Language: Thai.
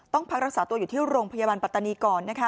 พักรักษาตัวอยู่ที่โรงพยาบาลปัตตานีก่อนนะคะ